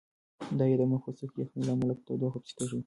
د هغې د مخ پوستکی د یخنۍ له امله په تودوخه پسې تږی و.